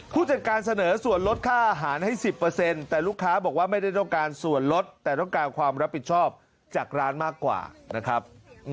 ผู้จัดการเสนอส่วนลดค่าอาหารให้๑๐แต่ลูกค้าบอกว่าไม่ได้ต้องการส่วนลดแต่ต้องการความรับผิดชอบจากร้านมากกว่านะครับ